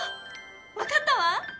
わかったわ！